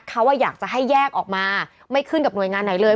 เขาอยากจะให้แยกออกมาไม่ขึ้นกับหน่วยงานไหนเลย